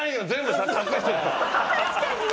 確かにね。